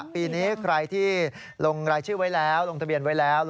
ปีนี้ใครที่ลงรายชื่อไว้แล้วลงทะเบียนไว้แล้ว